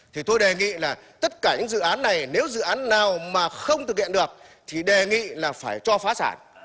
thì tôi đề nghị là tất cả những dự án này nếu dự án nào mà không thực hiện được thì đề nghị là phải cho phá sản